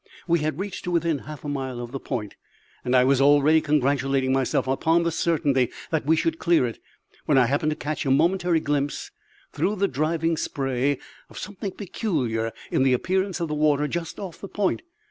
We had reached to within half a mile of the point, and I was already congratulating myself upon the certainty that we should clear it, when I happened to catch a momentary glimpse, through the driving spray, of something peculiar in the appearance of the water just off the point.